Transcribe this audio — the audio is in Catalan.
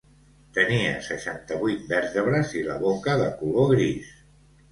Tenen seixanta-vuit vèrtebres i la boca de color gris.